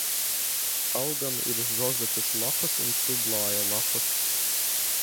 Augam ir rozetes lapas un stublāja lapas.